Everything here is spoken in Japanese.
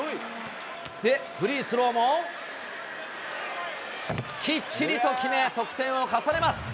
で、フリースローもきっちりと決め、得点を重ねます。